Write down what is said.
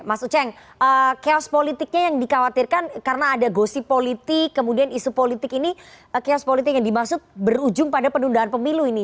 mas uceng chaos politiknya yang dikhawatirkan karena ada gosip politik kemudian isu politik ini chaos politik yang dimaksud berujung pada penundaan pemilu ini